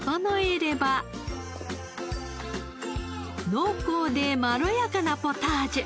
濃厚でまろやかなポタージュ。